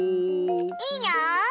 いいよ！